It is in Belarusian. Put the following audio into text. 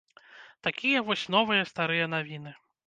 Такія вось новыя старыя навіны.